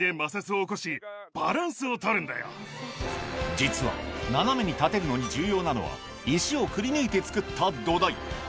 実は斜めに立てるのに重要なのは石をくりぬいて作った土台